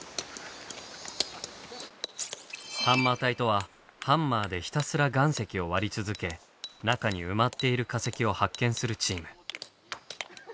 「ハンマー隊」とはハンマーでひたすら岩石を割り続け中に埋まっている化石を発見するチーム。